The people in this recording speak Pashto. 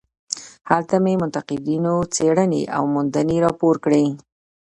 هلته مې د منتقدینو څېړنې او موندنې راپور کړې.